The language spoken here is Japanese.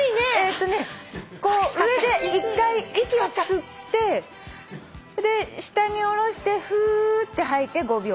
こう上で一回息を吸って下に下ろしてフって吐いて５秒。